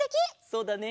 そうだね。